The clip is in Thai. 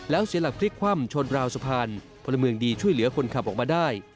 แล้วเสียหลักพลิกคว่ำชนราวสะพานพลเมืองดีช่วยเหลือคนขับออกมาได้